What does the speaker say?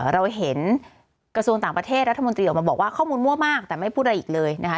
เราเห็นกระทรวงต่างประเทศรัฐมนตรีออกมาบอกว่าข้อมูลมั่วมากแต่ไม่พูดอะไรอีกเลยนะคะ